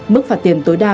mức phạt tiền tối đa